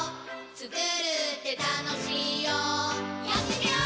つくるってたのしいよやってみよー！